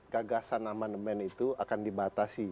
gagasan nama demen itu akan dibatasi